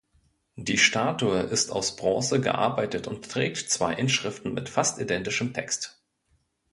Die Statue ist aus Bronze gearbeitet und trägt zwei Inschriften mit fast identischem Text.